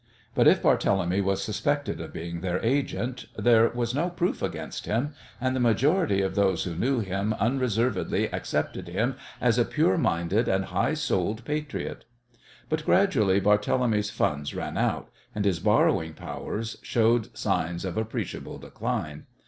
But if Barthélemy was suspected of being their agent there was no proof against him, and the majority of those who knew him unreservedly accepted him as a pure minded and high souled patriot. But gradually Barthélemy's funds ran out, and his borrowing powers showed signs of appreciable decline.